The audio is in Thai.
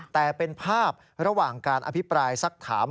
แต่เป็นภาพระหว่างการอภิปรายสักถาม